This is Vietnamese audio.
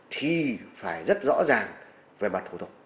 thì phải rất rõ ràng về mặt thủ tục